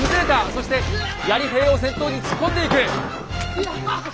そしてやり兵を先頭に突っ込んでいく。